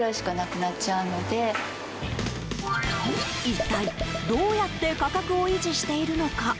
一体、どうやって価格を維持しているのか。